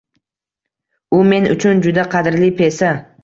U men uchun juda qadrli pesa.